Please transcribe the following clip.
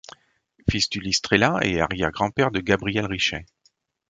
Fils d'Ulysse Trélat et arrière grand-père de Gabriel Richet.